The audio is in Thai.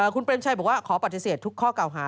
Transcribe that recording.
คุณเปรมชัยบอกว่าขอปฏิเสธทุกข้อเก่าหา